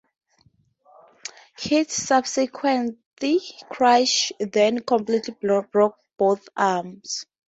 His subsequent crash then completely broke both arms.